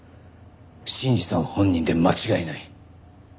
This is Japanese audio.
信二さん本人で間違いない。